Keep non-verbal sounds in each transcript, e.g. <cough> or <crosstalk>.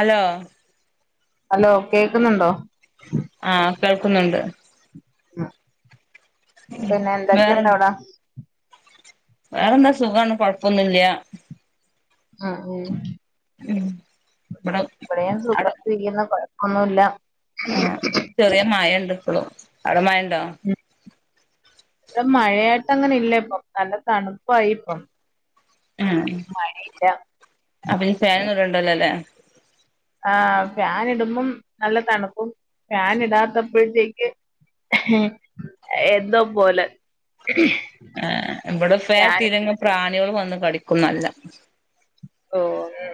Hello! Hello കേക്ക്‌ന്നുണ്ടോ? ആഹ് കേൾക്കുന്നുണ്ട്. ഉം വേറെ പിന്നെന്തൊക്കെണ്ടവിടെ? വേറെന്താ? സുഖാണ്, കൊഴപ്പൊന്നുംല്ല. ആഹ് ഉം ഉം ഇവിടെ ഇവടെയും അവിടെ സുഖയിട്ടിരിക്ക്ണ് കൊഴപ്പമൊന്നുല്ല. ആഹ് ചെറിയ മയണ്ട്പ്പളും അവുടെ മയണ്ടോ? ഇവടെ മഴായിട്ടങ്ങനെല്ലപ്പൊ, നല്ല തണുപ്പായിപ്പം. ഏഹ് അപ്പൊനി ഫേനൊന്നുടണ്ടല്ലൊലേ? ആഹ് ഫാനിടുമ്പം നല്ല തണുപ്പും, ഫാനിടാത്തപ്പോഴത്തേക്ക്- എഹ് എന്തോപോലെ ഏ, ഇബടെ ഫേൻട്ടീലെങ്കി പ്രാണികള് വന്ന് കടിക്കും ന്നല്ല ഓഹ് ഉം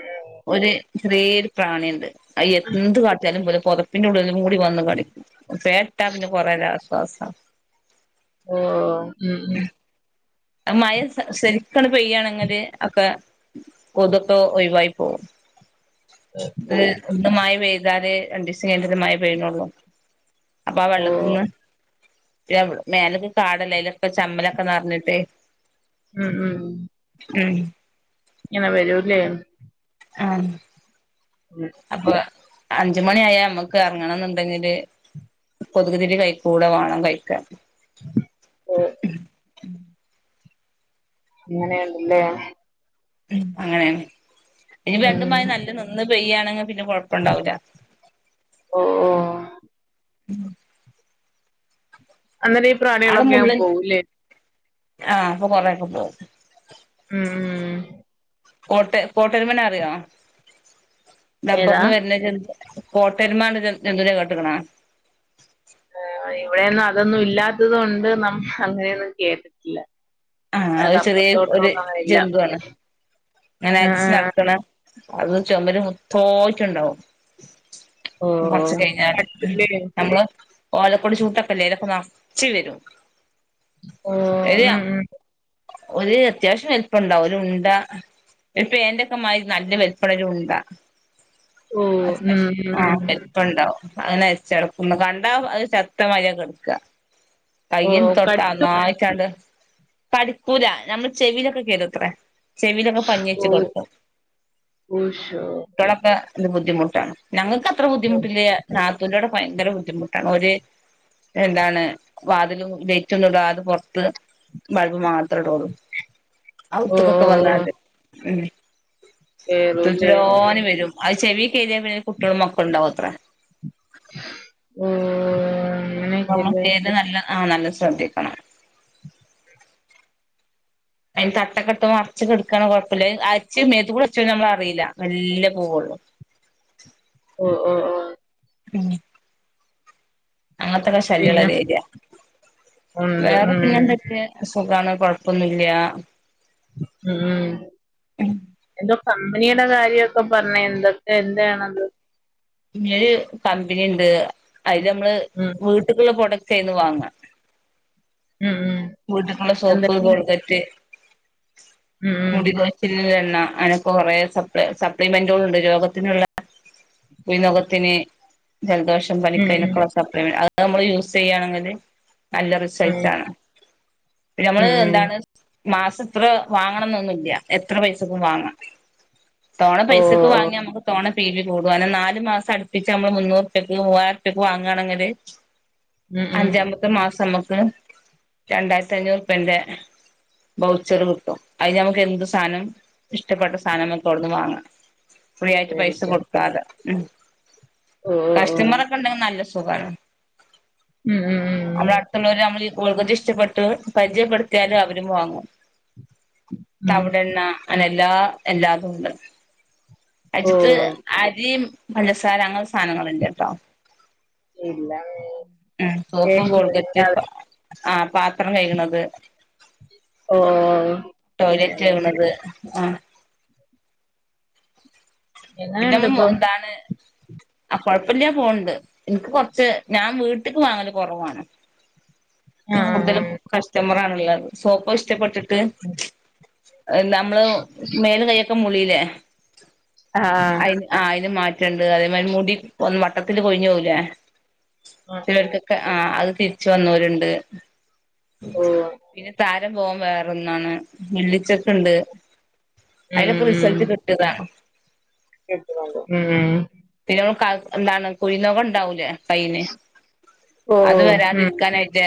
ഒര് ചെറിയോര് പ്രാണിണ്ട്. അയ് എന്ത് കാട്ട്യാലും പോലാ പൊ പിന്നെള്ളിലുടെ വന്ന് കടിക്കും ഫാൻ ഇട്ട പിന്നെ കൊറേരാശ്വാസാ! ഓഹ് ഉം ഉം അഹ് മഴ സരിക്കണ് പെയ്യാണെങ്കില് അഒക്കെ- കൊതൊക്കെ ഒഴിവായി പൊവും. ത് ഇന്ന് മയ പെയ്താല് രണ്ടീസം കൈന്ട്ടല്ലേ മഴ പെയ്യ്ണൊള്ളു! അപ്പൊ അഹ്‌ ഓ വള്ളത്ത്ന്ന്- <unintelligible> മേലൊക്കെ കാടല്ലേ, അയ്ലൊക്കെ ചമ്മലൊക്കെ നറഞ്ഞ്ട്ടെ ഉം ഉം ഉം ഇനിങ്ങ വരൂല്ലേ? ആഹ് അപ്പൊ അഞ്ച് മണി ആയാ അമ്മക്കറങ്ങണംന്ന്ണ്ടെങ്കില്, കൊതുക്തിരി കൈക്കൂടെ വാണം കൈക്കെ. അഹ്‌ അങ്ങനെണ്ട്ല്ലേ! ഉം അങ്ങനേണ് ഈ ഉം രണ്ടുമയിം നല്ല നിന്ന് പെയ്യാണെങ്കി പിന്നെ കൊഴപ്പണ്ടാവൂല. <unintelligible> ഉം അങ്ങനെയീ പ്രാണികളൊക്കെ അങ്ങ് മുള്ളൻ പോവുല്ലേ ആഹ് അപ്പൊ കൊറേയൊക്കെ പോവും ഉം കോട്ട് കോട്ടുരുമനെ അറിയോ? ഏതാ റബ്ബറിന്ന് വരുന്ന ജൻ കോട്ടര്മാ എന്ന ജൻ ജന്തൂനെ കേട്ട്ക്കണാ ആഹ് ഇവീടേന്നും അതൊന്നും ഇല്ലാത്തത് കൊണ്ട് നമ്മള് അങ്ങനെയൊന്നും കേട്ട്ട്ടില്ല ആഹ് ഒരു ചെറിയേ ഒര് ഇല്ല ജന്തുവാണ് അങ്ങനെ അരിച്ച് ആഹ് നടക്കണ് അത് ചൊമര് മൊത്തോം ആയിട്ടൊണ്ടാവും കൊറച്ച് കഴിഞ്ഞാല് കടിക്കുല്ലേ നമ്മള് ഓലക്കൊടി ചൂട്ടക്കല്ലേ ആയിലൊക്കെ നെറച്ച് വരും ഓ ഉം <unintelligible> ഉം ഒരു അത്യാവശ്യം ഹെല്പ്പ്പുണ്ടാവും ഒരു ഉണ്ടാ ഒരു പേന്റെക്ക മാതിരി നല്ല വലിപ്പൊള്ളൊരു ഉണ്ട ഓ ഉം അത്യാവശം ഉം ആഹ് ഉം വലുപ്പണ്ടാവും അങ്ങനെ <unintelligible> കണ്ടാ അത് ചത്ത മാതിരിയാ കെടക്കാ ഓ കയ്യിൽ കടി തൊട്ടാ <unintelligible> കടിക്കൂല നമ്മളെ ചെവിയിലൊക്കെ കേറുമത്രെ ചെവിലൊ പഞ്ഞി ഓ വെച്ച് കെടക്കും ഉശോ കുട്ട്യളൊക്കെ ഇത് ബുദ്ധിമുട്ടാണ് ഞങ്ങക്ക് അ ത്ര ഓ ബുദ്ധിമുട്ടില്ല നാത്തൂന്റവിടെ ഭയങ്കര ബുദ്ധിമുട്ടാണ് ഓര് എന്താണ് വാതിലും ലൈറ്റൊന്നും ഇടാതെ പൊറത്ത് ബൾബ് മാത്രേ ഇടോള്ളൂ ഓ അവ്ത്ത്ക്കൊക്കെ ഓ വന്നാല് ഉം തുരു കേറൂല്ലേ ഉം. തുരാന്ന് വരും അത് ചെവി കേറിയ പിന്നെ കുട്ട്യളും മക്കളും ഉണ്ടാവത്രെ മ്ഹ് <unintelligible> നല്ല ആഹ് നല്ല ശ്രദ്ധിക്കണം അയിന് തട്ടക്കെ ഇട്ട് മറച്ച് കെടക്കാണേൽ കൊഴപ്പല്ല അര്ച്ച് മേത്ത് കൂടി <unintelligible> നമ്മള് അറിയില്ല മെല്ലേ പോവൊള്ളു ഓഹ് ഓഹ് ഉം അങ്ങനത്തൊക്കെ ശല്യള്ള പിന്നെ ഒരു ഏരിയ ഉണ്ട് വേറെ ഉം പിന്നെന്തെക്കേ സുഖാണ് കൊഴപ്പൊന്നുല്യാ ഉം എന്തോ കമ്പനിയുടെ കാര്യമൊക്കെ പറഞ്ഞ് എന്തൊക്കെ എന്താണത്? ഒര് കമ്പനി ഇണ്ട് അയില് അമ്മള് ഉം വീട്ട്ക്കുള്ള പ്രോഡക്റ്റാ അയിന്ന് വാങ്ങാ ഉം ഉം വീട്ട്ക്കുള്ള സോപ്പ് എന്തൊക്കെ കോൾഗറ്റ് ഉം മുടി കൊഴിച്ചിലിനുള്ള എണ്ണ അങ്ങനെക്കെ കൊറെ സപ്പ്ളെ സപ്ലിമെന്റുകളുണ്ട് രോഗത്തിനുള്ള <unintelligible> രോഗത്തിന് ജലദോഷം ഉം പനിക്ക് ഉം അതിനൊക്കേള്ള സപ്ലിമെന്റ് അത് നമ്മള് യൂസ് ചെയ്യാണെങ്കില് നല്ല ഉം ഉം റിസൾട്ടാണ് പിന്നെ ഉം അമ്മള് ഉം എന്താണ് മാസം ഇത്ര വാങ്ങണം എന്നൊന്നുല്ല എത്ര പൈസക്കും വാങ്ങാം തോണ ഓ പൈസക്ക് ഓ വാങ്ങിയാ നമുക്ക് തോണ പി വി കൂടും അയിനെ നാ ല് മാസം അടുപ്പിച്ച് അമ്മള് മുന്നൂറ് റുപ്യക്ക് മൂവായിരം റുപ്യക്ക് വാങ്ങുകാണെങ്കില് ഉം ഉം അഞ്ചാമ ത്തെ മാസം അമ്മക്ക് രണ്ടായിരത്തി അഞ്ഞൂറ് റുപ്യേന്റെ ബൗച്ചർ കിട്ടും അത് നമുക്ക് എന്ത് സാധനം ഇഷ്ടപ്പെട്ട സാധനം നമുക്ക്‌ അവിടുന്ന് വാങ്ങാം ഫ്രീ ആയിട്ട് പൈസ മേടിക്കാം കൊടുക്കാതെ ഉം ഓ ഓ ഓ കസ്റ്റമറൊക്കെ ഉണ്ടെങ്കിൽ നല്ല സുഗാണ് ഉം ഉം ഉം നമ്മള അടുത്തുള്ളവര് നമ്മൾ ഈ കോൾക്കതി ഇഷ്ടപ്പെട്ട് പരിചയപ്പെടുത്തിയാലും അവരും വാങ്ങും ഉം ഉം തവിടെ എണ്ണ അങ്ങനെ എല്ലാ എല്ലാതും ഉണ്ട് ഓ അജിത്ത് അരിയും പഞ്ചസാര അങ്ങനുള്ള സാധനങ്ങലില്ലട്ടോ ഇല്ല അങ്ങനെ വിശേഷം കോൾഗറ്റ് എന്തവിടെ ആ പാത്രം കഴിക്ണത്, ഓ ടോയ്ലറ്റ് അങ്ങനെയുള്ള കഴികണത് ആഹ് പിന്നെ എങ്ങനെയുണ്ട് നമ്മ ഇപ്പം മോന്താണ് ആഹ് കുഴപ്പല്ല്യ പോണ്ട് എനിക്ക് കുറച്ച് ഞാൻ വീട്ടിക്ക് വാങ്ങല് കുറവാണ് ആ വിക്കുന്ന കൂടലും കസ്റ്റമറ ആണുള്ളത് സോപ്പ് ഇഷ്ടപ്പെട്ടിട്ട്. കെ ആയ്ല് നമ്മള് മേല് കയൊക്കെ മുളില്ലേ ആഹ് ആ അയ്‌ന് മാറ്റണ്ട് അതേമാരി മുടി ഒ വട്ടത്തിൽ കൊഴിഞ്ഞു പോകുലേ ആ ആ. ചിലർക്കൊക്കെ ആ അത് തിരിച്ച് വന്നോര്ണ്ട് ഓ പിന്നെ ത രാപോവൻ വേറൊന്നാണ് മുല്ലിച്ചെക്ക്ണ്ട് ഉം ഉം അയില്ക്ക്‌ റിസൾട്ട് കിട്ടിയതാണ് എട്ത്ത്ങ്ങണ്ടു ഉം പിന്നമ്മൾ കാൽ എന്താണ് കുഴുനഖോ ഒണ്ടാകൂലേ പ്പയിന് ഓ അത് ഉം വരാതിരിക്കാനായിട്ട്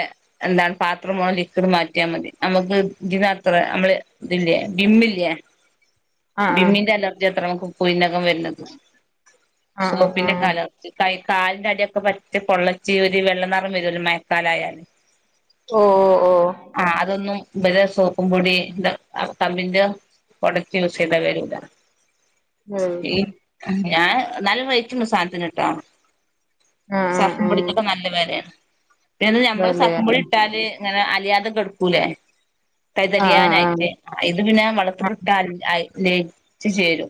എന്താണ് പാത്രമോള ലിക്വിഡ് മാറ്റിയാ മതി നമുക്ക് ഇതിനത്ര നമ്മള് ഇതില്ലേ ബിമ്മില്ലേ ആ ആ ബിമ്മിന്റെ അലർജി അത്ര നമുക്ക് കുഴിനഖം വരണത് ആ ആ സോപ്പിന്റെക്കെ ആ അലർജി കൈ കാലിന്റെ അട്യോക്കെ പറ്റി പൊള്ളച്ചി ഒരു വെള്ള നിറം വരുല്ലോ മയക്കാലായാല് ഓഹ് ഓഹ് ഓഹ് ആഹ് അതൊന്നും ഇബരെ സോപ്പും പൊടി ദ അ തമ്പിന്റെ കൊട യുസേയ്ത വെരൂല ഓ ഈ ഞാൻ നല്ല റെയ്ട്ട്ണ്ട് സാധത്തിനേട്ട ആഹ് സർഫും പൊടിക്കൊക്കെ നല്ല വെലയാണ് പിന്നെ ഞമ്മള് അതല്ലേ സർപ്പും പൊടി ഇട്ടാല് ഇങ്ങനെ അലിയാതെക്കെടക്കൂലേ തൈ ആ ആ ആ തരിയാനായിട്ട് ഇത് പിന്നെ വളത്തുക്ക്‌ ആയ് ലയിച്ച് ചേരു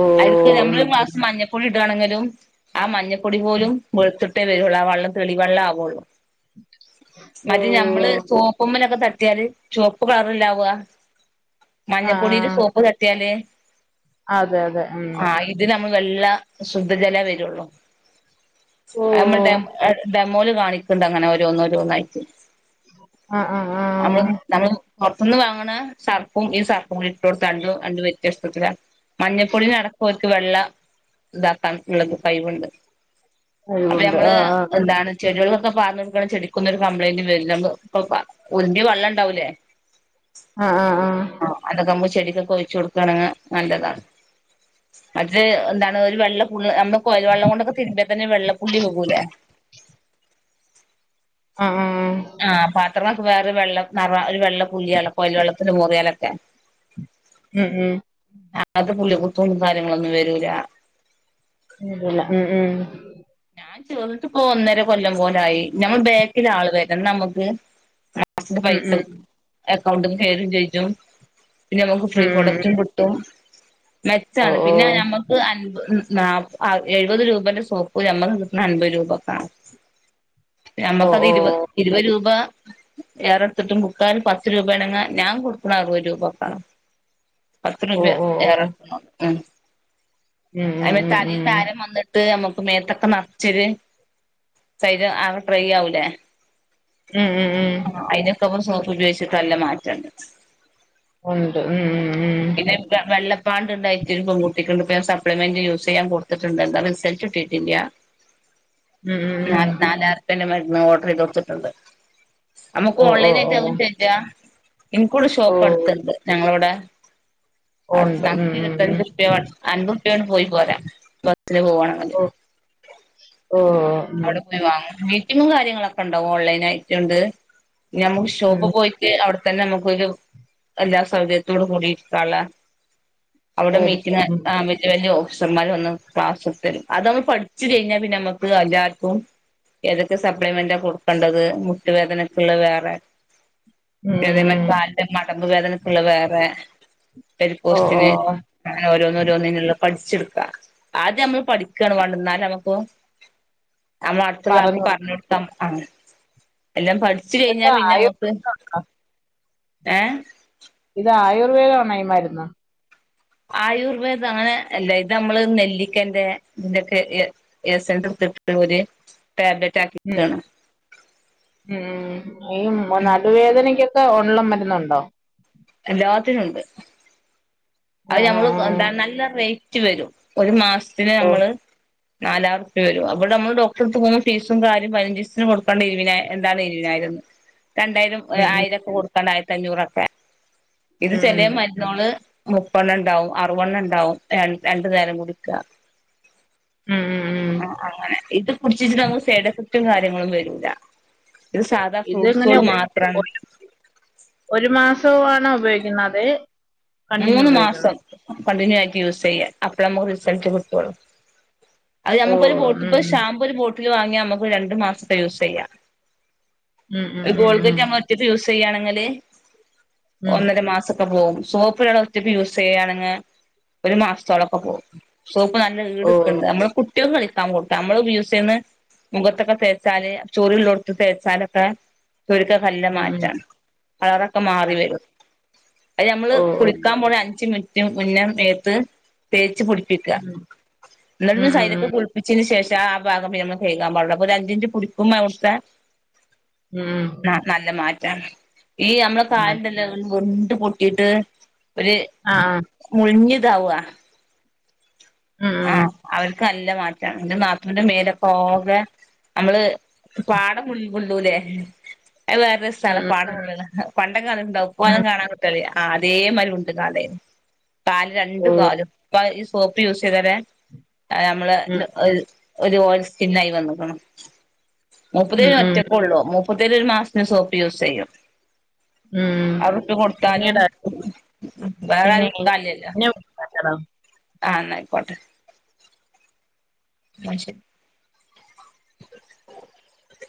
ഓ അയ്ലിക്ക് ഉം നമ്മള് മസ് മഞ്ഞ പ്പൊടി ഇടുകാണെങ്കിലും ആ മഞ്ഞപ്പൊടി പോലും വെളുത്തിട്ടേ വരുള്ളൂ ആ വെള്ളം തെളിവെള്ളം ആവുള്ളൂ ഓ മറ്റേ ഞമ്മള് സോപ്പുമ്മലൊക്കെ തട്ടിയാല് ചുവപ്പ് കളറല്ലെ ആവ്ക ആ ആ മഞ്ഞപ്പൊടിയില് സോപ്പ് തട്ടിയാല് അതെ അതെ ഉം ഇതി നമ്മള് വല്ലാ ശുദ്ധജല വരുള്ളൂ ഓ നമ്മൾ ഡേ <unintelligible> മോല് കാണിക്കണ്ട് അങ്ങനെ ഓരോ ന്നോരോ ന്നായിട്ട് ആ ആ ആ നമ്മള് നമ്മള് പൊറത്തുന്ന് വാങ്ങണ സർപ്പും ഈ സർപ്പും കൂടി ഇട്ട് കൊടുത്തണ്ട് രണ്ട് വ്യത്യസ്തത്തില മഞ്ഞപ്പൊടിനടക്കം ഒലിക്ക് വെള്ള ഇതാക്കാൻ ഇള്ള കയിവ്ണ്ട് അപ്പൊ കഴിവുണ്ട് ഞമ്മള് ആ ആ എന്താണ് ചെടികളൊക്കെ പാർന്നോട്ക്കുആണേ ചെടിക്കൊന്നും ഒരു കപ്ലയിന്റ് വെരില്ല അമ്മാൾ ഉപുപ്പ ഒലുമ്പിയ വെള്ളം ണ്ടാവൂലേ ആഹ് ആഹ് ആഹ് ആഹ് അതൊക്കെകുമ്പോ ചെടിക്കൊക്കെ ഒഴിച്ചു കൊടുക്കണെങ്ക് നല്ലതാണ് മറ്റേ എന്താണ് ഒരു വെള്ളപ്പുള്ളി നമ്മുള് കൊയൽ വെള്ളം കൊണ്ടൊക്കെ തിരുമ്പിയ തന്നെ വെള്ളപ്പുള്ളി പോകൂലെ ആഹ് ആഹ് ആഹ് പാത്രങ്ങളൊക്കെ വേറെ വെള്ളം നെറാം ഒരു വെള്ള പുള്ളിയൊള്ളെ കൊയൽ വെള്ളത്തില് മോറിയാലൊക്കെ ഉം ഉം അത് പുള്ളി കുത്തും കാര്യങ്ങളൊന്നും വെരൂല വീകുല ഉം ഉം ഞാൻ ചെർന്നിട്ടിപ്പോ ഒന്നര കൊല്ലം പോലായി ഞമ്മൾ ബാക്കിലാള് വരണം ന്നമ്മക്ക് അക്കൗണ്ടിൽ ഉം പൈസ ഉം അക്കൗണ്ടി കേറും ചോയിച്ചും പിന്നെ നമുക്ക് ഫ്രീ പ്രോഡക്റ്റും ഉം കി പ്പം ഓ മെച്ചാണ് ഓ പിന്നെ ഞമ്മക്ക് അൻ നാ എഴുപത് രൂപന്റെ സോപ് ഒരു നമ്മക്ക് കിട്ടണ അൻപത് രൂപക്കാ ണ് ഓ നമ്മക്കത് ഓ ഇരുപത് ഇരുപത് രൂപാ ഏറെത്തിട്ടും ബുക്കാൻ പത്ത് രൂപയാണെങ്ക ഞാൻ കൊടുക്കണ അറുപത് രൂപക്കാണ് പത്ത് ഓ രൂപ ഓ ഓ ഏറക്കാണോന്നു മ് ഉം ഉം അതീ ഉം തലയിൽ ഉം തരാൻ വന്ന് ത്ത് നമുക്ക് മേത്തക്കെ നറച്ചൊരു സരീരം ആകെ ട്രൈ ആവൂലേ ഉം ഉം ഉം ആഹ് അതിനൊക്കെ നമ്മടെ സോപ്പുപയോഗിച്ചിട്ട് അല്ല മാറ്റണ്ട് ഒണ്ട് ഉം ഉം ഉം പിന്നെ വെള്ളപ്പാണ്ട്ണ്ടായിറ്റ് ഒരു പെങ്കുട്ടിക്ക്ണ്ട് <unintelligible> പ്പള് മെന്റ് യൂസ്സ് ചെയ്യാൻ കൊടുത്തിറ്റ് ണ്ട് അതിന്റെ റിസൽറ്റ് കിട്ടിട്ടില്യ ഉം ഉം ഉം നാലായിറ്പ്പേന്റെ മരുന്ന് ഓർഡർ ചെയ്ത് കൊടുത്തിട്ട്ണ്ട് നമുക്ക് ഓ ഓ ഓൺലൈനായിട്ട് അതും ഓ ചെയ്യാ ഇൻക്കുടെ ഓ ഷോപ്പ് അടുത്തിണ്ട് ഞങ്ങളവിടെ ഉണ്ട് ഉം ഞങ്ങക്ക്ഇരുവത്തഞ്ചുറുപ്യ അന്നും റിട്ടേൺ പോയി പോരാ ബസ്സില് പോവുവാണെങ്കില് ഓഹ് അവിടെപോയിവാങ്ങും മീറ്റിങ്ങും കാര്യങ്ങളൊക്കെണ്ടാാവും ഓൺലൈനായിട്ടുണ്ട് നമ്മുക്ക് ഷോപ്പ്പോയി റ്റ് അവിടെത്തന്നെ നമ്മുക്കൊരു എല്ലാ സൗകര്യത്തോടുകൂടി ഇരിക്കള്ള അവിടെ ഉം നിക്കണ മാമൻ റ്റ് വല്ല്യ ഓഫീസർമാർ വന്ന് ക്ലാസെടുത്തരും അത് നമ്മള് പഠിച്ചു കഴിഞ്ഞാപിന്നെ നമുക്ക് എല്ലാ ക്കും ഏതൊക്കെ സപ്ലിമെന്റാ കൊടുക്കേണ്ടത് മുട്ടുവേദനക്കുള്ള വേറെ മേടിക്കാം ഉം ഉം <unintelligible> ഉം കാലിന്റെ മടമ്പ് വേദനക്കുള്ളത് വേറെ ഓ ഓ വെരിക്കൊസിന് അങ്ങനെ ഓരോന്നുഓരോന്നിനുള്ള പഠിച്ചെടുക്ക ആദ്യം നമ്മള് പഠിക്കാണ് വേണ്ടന്നാലമ്മ്ക്ക് നമ്മള അടുത്തുള്ളൾക്ക് പറഞ്ഞു പറഞൊടുക്കാ ആഹ് എല്ലാംപഠി ച് കഴിഞ്ഞാ ഇതൊക്കെ ആയു പിന്നെമ്മക്ക് ഏഹ് ഇത് ആയുർവേദണാ ഈമരുന്ന് ആയുർവേദം അങ്ങനെ അല്ല ഇത് അമ്മള് നെല്ലിക്കെന്റെ ഇതിന്റെക്കെ എസെൻസ്ട്ത്ത്ത്തെടുത്തിട്ട് ഒരു ഉം ടാബ്ലറ്റാക്കിക്കാണ്. ഉം ഈ നടുവേദനക്കൊക്കെ ഒള്ള മരുന്നുണ്ടോ? എല്ലാത്തിനുണ്ട് ആ അയ് ആ നമ്മള് ആ എന്താ നല്ലറേറ്റ് വരും ഒരു മാസത്തിന് ഓ നമ്മള് നാലായിറുപ്യവരും അയ്പോലെ നമ്മള് ഡോക്ടറെടുത്ത് പോന്ന ഫീസും കാര്യം പയിനഞ്ചിസത്തിന് കൊടുക്കാണ്ട എവിന എന്താണ് ഇരുവിനായിരംന്ന് രണ്ടായിരം ഉം ആയിരോക്കെ കൊടുക്കാണ്ട് ആയിരത്തി അഞ്ഞൂറൊക്കെ ഉം ഉം ഇത്ചെലേ മരുന്നോള് മുപ്പെണ്ണംണ്ടാവും അറുവണ്ണംണ്ടാവും രണ്ട്നേരം കുടിക്ക ഉം ഉം ഉം ആഹ് അങ്ങനെ ഇത് കുടിച്ചിട്ട് നമുക്ക് സൈഡെഫക്റ്റും കാര്യങ്ങളും വരൂല ഇത് ഇതെങ്ങനെ സാധാഫ്രൂട്ട്സോള് ഒ മാത്രം ഒ- ഒരു മാസവുവാണോ ഉപയോഗിക്കുന്നത് അതേ കണ്ടിന്യൂ ഉപയോഗിക്കണോ മൂന്ന്മാസംകണ്ടിന്യൂആയിട്ട് യൂസെയ്യാഅപ്പോഴമ്മക്ക്റിസൾട്ട് കിട്ടുള്ളു അയ് ഓ നമുക്കൊരു ഉം ബോട്ട്പ്പോഷാമ്പൂ ഒരു ബോട്ടില് വാങ്ങിയനമക്ക് രണ്ടു മാസത്തെയൂസെയ്യാം ഉം ഉം ഉം ഉം ഒരുഗോൾഗറ്റ്നമ്മലോറ്റക്ക് യൂസെ ഉം യ്യയാണെങ്കില്ഒന്നരമാസ പോകുംസോപ്പ്ഒരാളൊറ്റക്ക് യൂസെ യ്യേണെങ്ക ഒരു മാസത്തോളം അപ്പോ സോപ്പ് നല്ല ഓ ഈട്ക്കണ്ട് നമ്മള് റ്റകളിക്കാകൊടുത്തനമ്മപയോഗിചെയന്ന്മുഖത്തൊക്കെ തേച്ചാല് ചോറള്ള തേച്ചാലൊക്കെ <unintelligible> ഉം ഉം നല്ലമാറ്റാണ് കളറോക്കെ അത് മാറിവരും അയ് നമ്മള് ഓ ഓ ഉം. ഒരു അഞ്ചു മിനിറ്റ് മുന്നേ മൊത്ത് തേച്ച്കുളിപ്പിക്ക ഉം ന്നാലും ഉം സൈലക്കെ ച്ചന് ശേഷ ആഭാഗം നമ്മള് തേകാപാടോള്ളൂ ഒരഞ്ചൻറ്റ് കുടിക്കുമ്പോ അവിടുത്തെ ഉം ആഹ് നല്ല മാറ്റാണ് അമ്മളെ അത് കാല്ണ്ല്ലോ വ്ണ്ട്പൊട്ടിയിട്ട് ര് ആഹ് ആഹ്. മുഴിഞ്ഞിതാവുക ഉം ഉം അവർക്ക് നല്ല മാറ്റണ് എന്റെ നത്തുന്റെ മേലക്കൊ ആകെ നമ്മള്പാടപുൾപൊള്ളൂലേഅയ് ഉം വേറേരസാണ്പാടപൊള്ളുണ് ഉം പണ്ടൊകാലണ്ടാവുംഇപ്പോലെ ഉം. കാണാകിട്ടല്ലആതേമലുണ്ട്കാലന്ന് കാല് രണ്ടു ഓഹ് കാലും ഇപ്പ ഈ സോപ്പ് യൂസയ്തവരെനമ്മള് ഉം ഒരു ഓയിൽ സ്കിന്നായി വന്ന്ക്ക്ണ് മുപ്പത് ഉം ഉം ഒറ്റക്കള്ളൂപ്പ മൂപ്പര് ഒരു മാസത്തെ സോപ്പ് യുസെയ്യും ഉം. പിന്നീടാ അറട്ട്കൊടുത്താലുംവേറൊരും ഇട്ക്കാല്യല്ലോ നല്ലതാവും ആഹ് ന്നയിക്കോട്ടെ ന്നശെരി